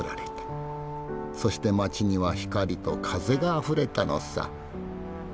そして街には光と風があふれたのさ。